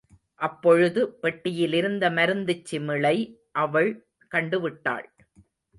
அப்பொழுது பெட்டியிலிருந்த மருந்துச் சிமிழை அவள் கண்டுவிட்டாள்.